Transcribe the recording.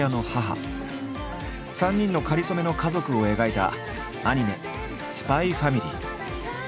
３人のかりそめの家族を描いたアニメ「ＳＰＹ×ＦＡＭＩＬＹ」。